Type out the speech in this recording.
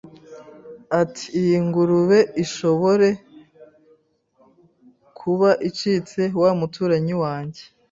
ati iyi ngurube ishobore kuba icitse wa muturanyi wanjye